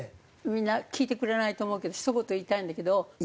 みんな聞いてくれないと思うけどひと言言いたいんだけどイーロン・マスク